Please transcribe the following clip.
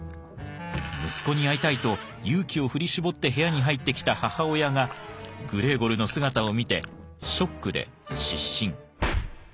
息子に会いたいと勇気を振り絞って部屋に入ってきた母親がグレーゴルの姿を見てショックで失神。